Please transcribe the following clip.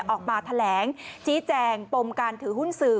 ออกมาแถลงชี้แจงปมการถือหุ้นสื่อ